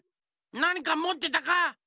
なにかもってたか？